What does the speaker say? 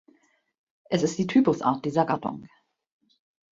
Es ist die Typusart dieser Gattung.